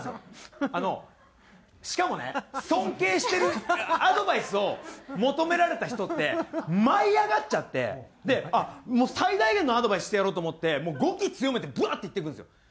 しかもね尊敬してるアドバイスを求められた人って舞い上がっちゃって最大限のアドバイスしてやろうと思ってもう語気強めてバーッて言ってくるんですよ。